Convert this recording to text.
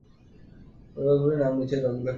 পরিবারগুলির নাম নিচে উল্লেখ করা হল।